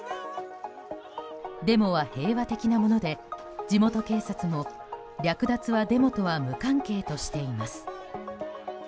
デモは平和的なもので地元警察も、略奪はデモとは無関係としています。